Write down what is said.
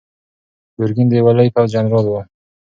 ګرګین د یوه لوی پوځ جنرال و.